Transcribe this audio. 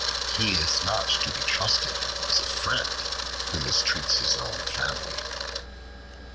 He is not to be trusted as a friend who mistreats his own family.